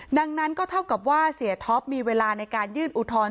ดังนั้นก็เท่ากับว่าเสียท็อปมีเวลาในการยื่นอุทธรณ์